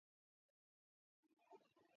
გაგუას არ ვეთანხმები